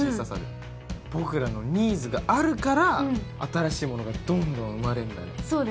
僕らのニーズがあるから新しいものがどんどん生まれるんだね。